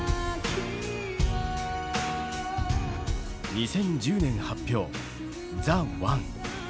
２０１０年発表「ＴＨＥＯＮＥ」。